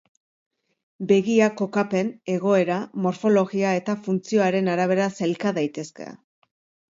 Begiak kokapen, egoera, morfologia eta funtzioaren arabera sailka daitezke.